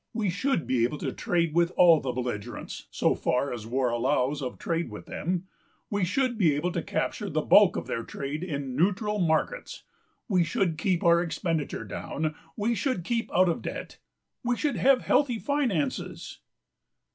We should be able to trade with all the belligerents (so far as war allows of trade with them); we should be able to capture the bulk of their trade in neutral p. xximarkets; we should keep our expenditure down; we should keep out of debt; we should have healthy finances.